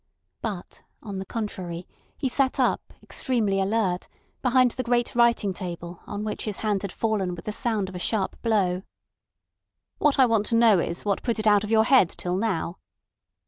But, on the contrary, he sat up, extremely alert, behind the great writing table on which his hand had fallen with the sound of a sharp blow. "What I want to know is what put it out of your head till now."